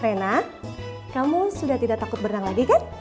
rena kamu sudah tidak takut berenang lagi kan